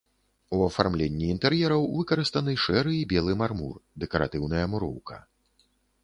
У афармленні інтэр'ераў выкарыстаны шэры і белы мармур, дэкаратыўная муроўка.